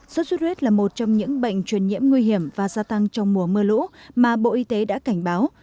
sốt xuất huyết là một trong những bệnh truyền nhiễm nguy hiểm và gia tăng trong mùa mưa lũ mà bộ y tế đã cảnh báo